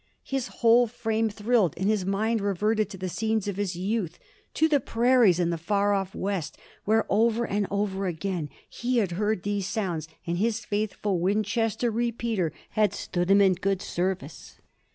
His whole frame thrilled and his mind reverted to the scenes of his youth to the prairies in the far off West, where, over and over again, he had heard these sounds, and his faithful Winchester repeater had stood him in good service.